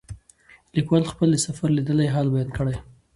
لیکوال خپل د سفر لیدلی حال بیان کړی.